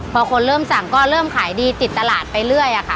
พอคนเริ่มสั่งก็เริ่มขายดีติดตลาดไปเรื่อยค่ะ